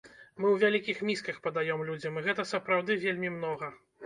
Мы ў вялікіх місках падаём людзям, і гэтага сапраўды вельмі многа!